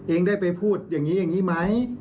เองได้ไปพูดอย่างนี้อย่างนี้ไหม